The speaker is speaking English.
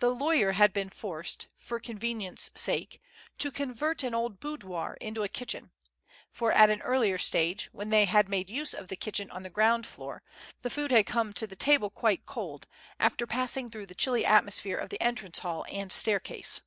The lawyer had been forced, for convenience's sake, to convert an old boudoir into a kitchen ; for at an earlier stage, when they had made use of the kitchen on the ground floor, the food had come to table quite cold, after passing through the chilly atmosphere ot* the entrance hall and staircase.